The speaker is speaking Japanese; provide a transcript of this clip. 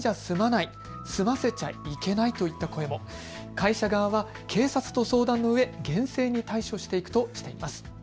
会社側は警察と相談のうえ厳正に対処していくとしています。